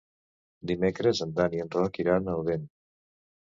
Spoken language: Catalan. Dimecres en Dan i en Roc iran a Odèn.